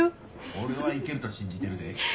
俺はいけると信じてるで。